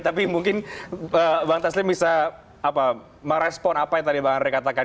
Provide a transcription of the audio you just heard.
tapi mungkin bang taslim bisa merespon apa yang tadi bang andre katakan